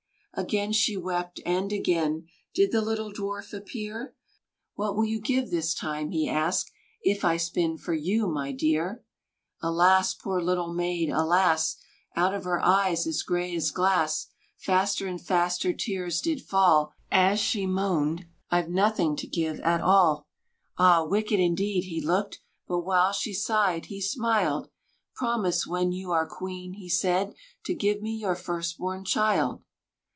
Again she wept, and again Did the little dwarf appear; "What will you give this time," he asked, "If I spin for you, my dear?" Alas poor little maid alas! Out of her eyes as gray as glass Faster and faster tears did fall, As she moaned, "I've nothing to give at all." Ah, wicked indeed he looked; But while she sighed, he smiled! "Promise, when you are queen," he said, "To give me your first born child!"